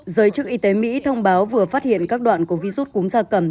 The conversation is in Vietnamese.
giới chức y tế mỹ thông báo vừa phát hiện các đoạn của virus cúm da cầm